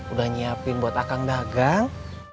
udah nyiapin buat akang dagang